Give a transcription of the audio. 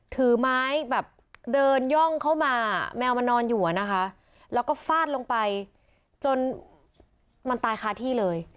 ถือไม้แบบเดินย่องเข้ามาแมวมันนอนอยู่อะนะคะแล้วก็ฟาดลงไปจนมันตายคาที่เลย